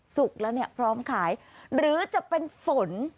สุกแล้วเนี่ยพร้อมขายหรือจะเป็นฝน